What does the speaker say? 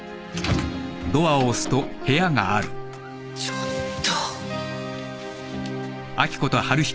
ちょっと。